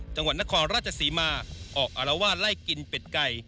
จังหวัดนครราชศรีมาออกอารวาสไล่กินเป็ดไก่